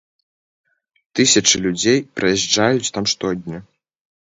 Тысячы людзей праязджаюць там штодня.